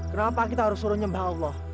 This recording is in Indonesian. kenapa kita harus suruh nyembah allah